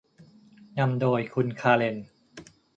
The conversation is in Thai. นำโดยคุณคาเรน